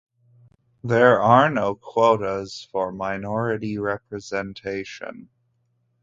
There are no quotas for minority representation.